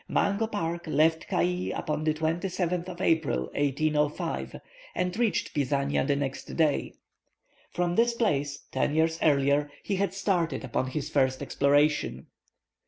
Mungo Park left Cayee upon the 27th of April, 1805, and reached Pisania the next day. From this place, ten years earlier, he had started upon his first exploration.